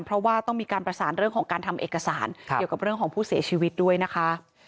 เพราะว่าต้องมีการประสานเรื่องของการทำเอกสารเกี่ยวกับเรื่องของผู้เสียชีวิตด้วยนะคะ